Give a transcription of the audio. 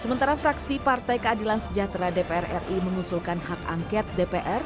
sementara fraksi partai keadilan sejahtera dpr ri mengusulkan hak angket dpr